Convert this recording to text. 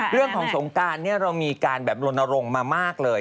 เรื่องของสงการเรามีการโรนโรงมามากเลย